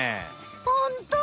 ホント！